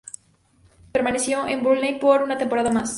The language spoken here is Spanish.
Permaneció en Burnley por una temporada más.